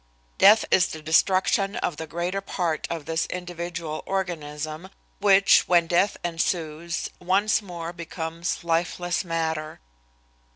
Death is the destruction of the greater part of this individual organism which, when death ensues, once more becomes lifeless matter.